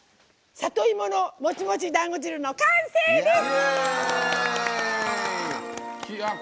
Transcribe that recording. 「里芋のもちもち団子汁」の完成です！